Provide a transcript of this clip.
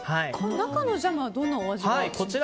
中のジャムはどんなお味ですか？